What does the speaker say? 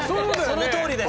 そのとおりです。